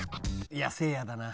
いやせいやだな。